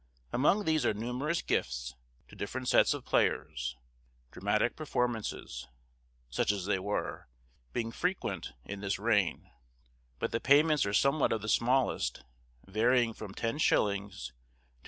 Among these there are numerous gifts to different sets of players; dramatic performances, such as they were, being frequent in this reign; but the payments are somewhat of the smallest, varying from ten shillings to £2.